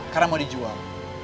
karena mau dijual